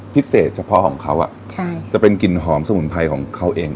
เฉพาะของเขาจะเป็นกลิ่นหอมสมุนไพรของเขาเอง